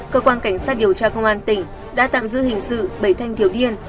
cơ quan cảnh sát điều tra công an tỉnh đã tạm giữ hình sự bảy thanh thiếu niên